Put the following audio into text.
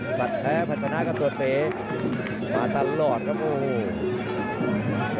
ตับปัดแล้วผลาดตัดพันธ์กับตัวเฟสมาตลอดครับโอ้โห